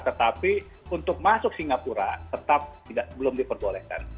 tetapi untuk masuk singapura tetap belum diperbolehkan